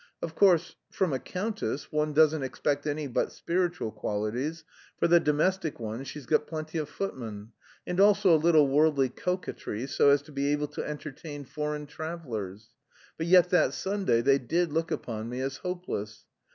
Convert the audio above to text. Of course, from a countess one doesn't expect any but spiritual qualities; for the domestic ones she's got plenty of footmen; and also a little worldly coquetry, so as to be able to entertain foreign travellers. But yet that Sunday they did look upon me as hopeless.